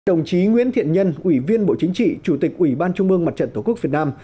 đồng chí nguyễn thiện nhân ủy viên bộ chính trị chủ tịch ủy ban trung mương mặt trận tổ quốc việt nam